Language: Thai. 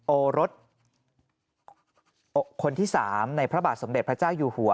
โอรสคนที่๓ในพระบาทสมเด็จพระเจ้าอยู่หัว